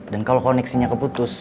dan kalo koneksinya keputus